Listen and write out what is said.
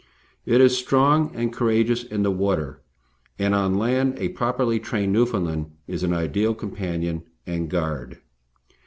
It is strong and courageous in the water, and on land a properly trained Newfoundland is an ideal companion and guard.